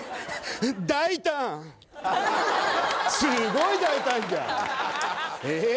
大胆すごい大胆じゃんえっ？